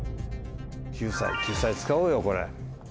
救済救済使おうよこれ。